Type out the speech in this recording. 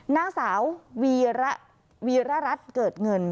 หน้าสาววีรราชเกิดเงิน